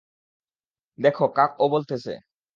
দেখ কাক ও বলতেছে।